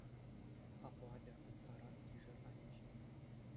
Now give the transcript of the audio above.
Апла атя, уттарар кишӗр ани ҫине.